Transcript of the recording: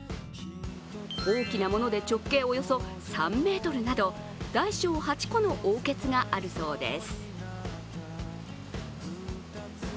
大きなもので直径およそ３ｍなど大小８個の甌穴があるそうです。